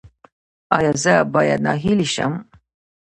ایا زه باید ناهیلي شم؟